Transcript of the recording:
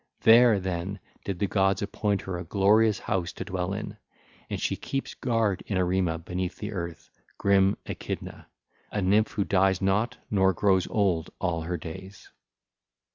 There, then, did the gods appoint her a glorious house to dwell in: and she keeps guard in Arima beneath the earth, grim Echidna, a nymph who dies not nor grows old all her days.